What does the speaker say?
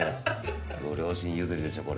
ご両親譲りでしょこれ。